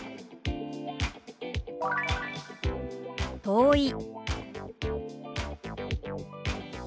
「遠い」。